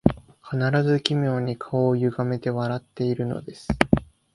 必ず奇妙に顔をゆがめて笑っているのです